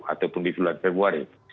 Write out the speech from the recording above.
ataupun di bulan februari